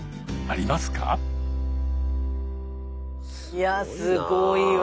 いやすごいわ。